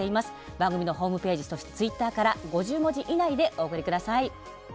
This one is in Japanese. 番組のホームページそしてツイッターから５０文字以内でお送りください。